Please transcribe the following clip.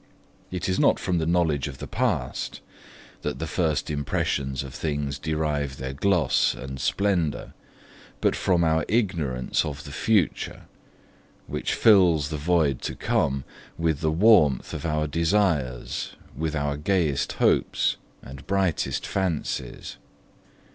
It is not from the knowledge of the past that the first impressions of things derive their gloss and splendour, but from our ignorance of the future, which fills the void to come with the warmth of our desires, with our gayest hopes, and brightest fancies.